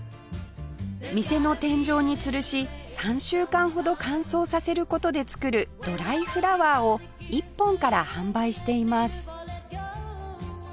店の天井につるし３週間ほど乾燥させる事で作るドライフラワーを１本から販売しています